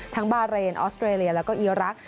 บาเรนออสเตรเลียแล้วก็อีรักษ